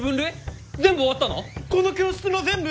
この教室の全部！？